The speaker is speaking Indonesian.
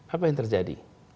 apa yang terjadi